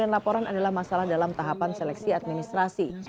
sembilan ratus empat puluh sembilan laporan adalah masalah dalam tahapan seleksi administrasi